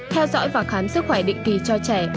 theo dõi và khám sức khỏe định kỳ cho trẻ